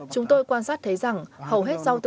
chúng tôi quan sát thấy rằng hầu hết rau tươi